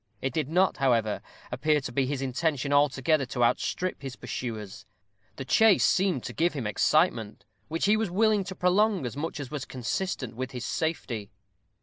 It did not, however, appear to be his intention altogether to outstrip his pursuers: the chase seemed to give him excitement, which he was willing to prolong as much as was consistent with his safety.